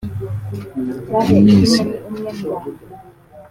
Iminsi